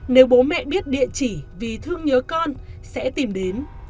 nếu bố mẹ biết địa chỉ vì thương nhớ con sẽ tìm đến